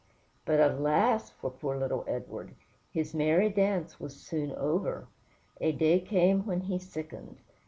But alas for poor little Edward! his merry dance was soon over. A day came when he sickened.